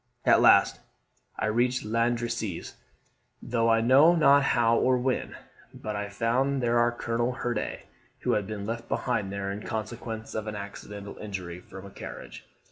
At last I reached Landrecies, though I know not how or when. But I found there our Colonel Hurday, who had been left behind there in consequence of an accidental injury from a carriage.